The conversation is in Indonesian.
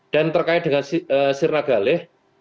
dan terkait dengan sinargali